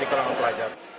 yang pertama kalang pelajar